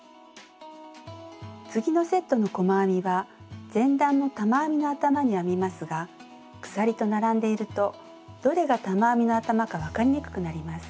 次のセットの細編みは前段の玉編みの頭に編みますが鎖と並んでいるとどれが玉編みの頭か分かりにくくなります。